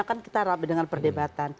kan kita rapi dengan perdebatan